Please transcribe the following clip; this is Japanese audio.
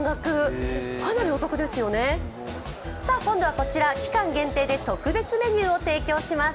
こちら、期間限定で特別メニューを提供します。